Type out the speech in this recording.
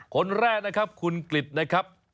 คนแรกนะครับคุณกริจนะครับ